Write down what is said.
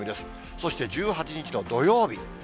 そして１８日の土曜日。